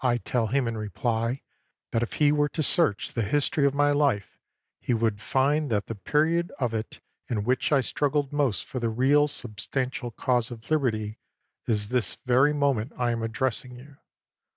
I tell him in reply, that if he were to search the history of my life, he would find that the period of it in which I struggled most for the real, sub stantial cause of liberty is this very moment I am addressing you.